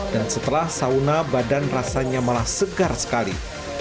setelah sauna badan rasanya malah segar sekali